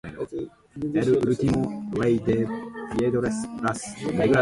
Following planning difficulties and the financial crisis in Ireland, the project never went ahead.